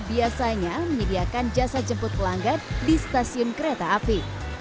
biasanya menyediakan jasa jemput pelanggan di stasiun kereta api